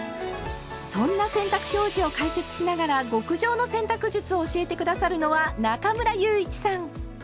そんな洗濯表示を解説しながら極上の洗濯術を教えて下さるのは中村祐一さん。